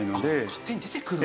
勝手に出てくるんだ。